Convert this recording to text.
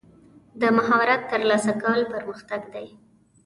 د مهارت ترلاسه کول پرمختګ دی.